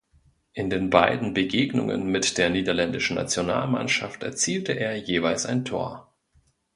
In den beiden Begegnungen mit der Niederländischen Nationalmannschaft erzielte er jeweils ein Tor.